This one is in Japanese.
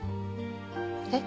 えっ？